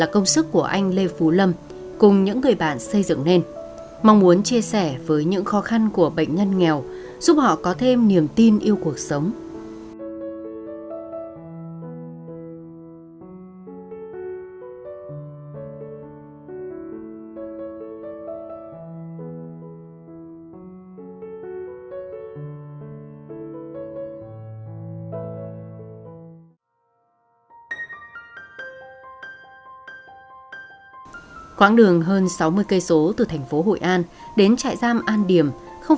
công sức của anh lê phú lâm cùng những người bạn xây dựng nên mong muốn chia sẻ với những khó khăn của bệnh nhân nghèo giúp họ có thêm niềm tin yêu cuộc sống